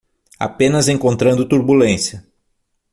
Apenas encontrando turbulência